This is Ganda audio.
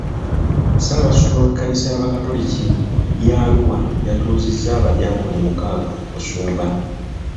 Ssaabasumba w'ekkanisa y'abakatoliki ya Arua yatuuzizza abadyankoni mukaaga ku busumba.